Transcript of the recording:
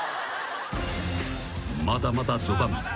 ［まだまだ序盤。